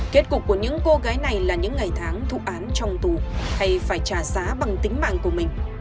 kết cục của những cô gái này là những ngày tháng thụ án trong tù hay phải trả giá bằng tính mạng của mình